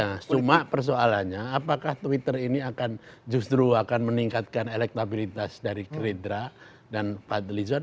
nah cuma persoalannya apakah twitter ini akan justru akan meningkatkan elektabilitas dari gerindra dan fadlizon